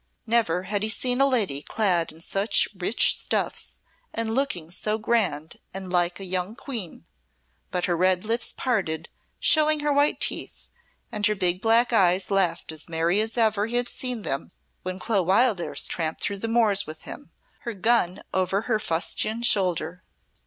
Never had he seen a lady clad in such rich stuffs and looking so grand and like a young queen, but her red lips parted, showing her white teeth, and her big black eyes laughed as merrily as ever he had seen them when Clo Wildairs tramped across the moors with him, her gun over her fustian shoulder.